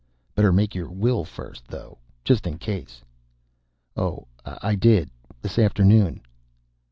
"Better make your will first, though, just in case." "Oh, I did. This afternoon."